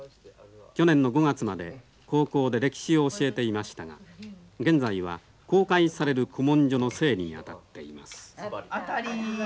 去年の５月まで高校で歴史を教えていましたが現在は公開される古文書の整理に当たっています。